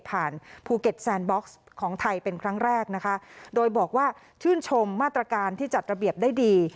ภูเก็ตแซนบ็อกซ์ของไทยเป็นครั้งแรกนะคะโดยบอกว่าชื่นชมมาตรการที่จัดระเบียบได้ดี